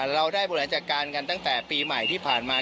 เราได้บริหารจัดการกันตั้งแต่ปีใหม่ที่ผ่านมา